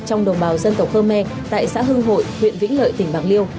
trong đồng bào dân tộc khơ me tại xã hưng hội huyện vĩnh lợi tỉnh bạc liêu